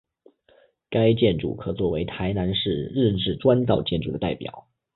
该建筑可做为台南市日治砖造建筑的代表。